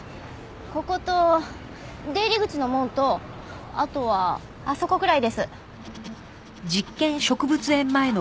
ここと出入り口の門とあとはあそこくらいです。